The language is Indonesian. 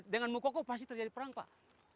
dengan mokoko pasti terjadi perang pak